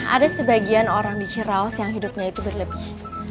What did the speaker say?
ada sebagian orang di ciraos yang hidupnya itu berlebih